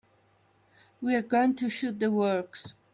We're going to shoot the works.